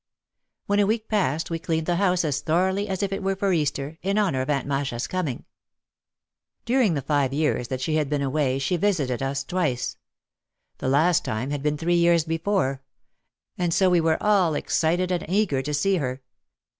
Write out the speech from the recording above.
When a week passed we cleaned the house as thor oughly as if it were for Easter, in honour of Aunt Masha's coming. During the five years that she had been away she vis ited us twice. The last time had been three years before. And so we were all excited and eager to see her.